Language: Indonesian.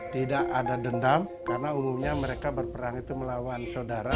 tidak ada dendam karena umumnya mereka berperang itu melawan saudara